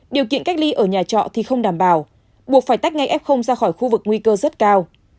điều kiện cách ly ở nhà trọ thì không đảm bảo buộc phải tách ngay f ra khỏi khu vực nguy cơ rất cao